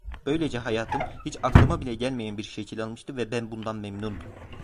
Böylece hayatım, hiç aklıma bile gelmeyen bir şekil almıştı ve ben bundan memnundum.